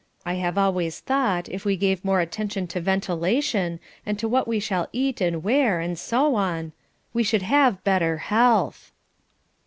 I have always thought, if we gave more attention to ventilation, and to what we shall eat and wear, and so on, we should have better health."